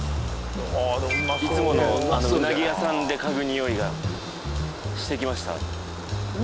いつものあのうなぎ屋さんで嗅ぐ匂いがしてきました